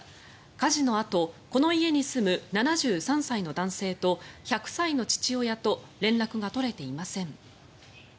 火事のあとこの家に住む７３歳の男性と１００歳の父親と連絡が取れていません。